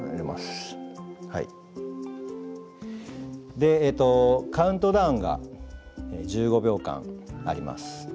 でカウントダウンが１５秒間あります。